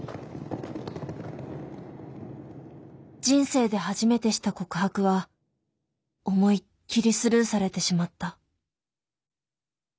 人生で初めてした告白は思いっきりスルーされてしまった。